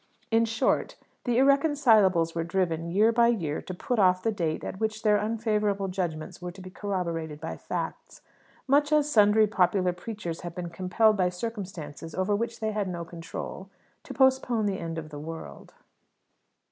In short, the irreconcilables were driven, year by year, to put off the date at which their unfavourable judgments were to be corroborated by facts, much as sundry popular preachers have been compelled by circumstances over which they had no control, to postpone the end of the world.